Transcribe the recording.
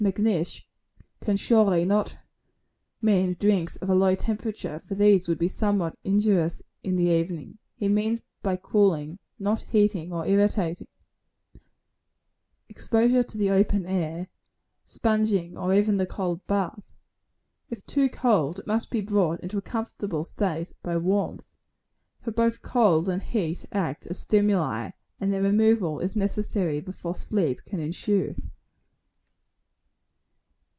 Macnish cannot surely mean drinks of a low temperature, for these would be somewhat injurious in the evening. He means by cooling, not heating or irritating.] exposure to the open air, sponging, or even the cold bath. If too cold, it must be brought into a comfortable state by warmth. For both cold and heat act as stimuli, and their removal is necessary before sleep can ensue.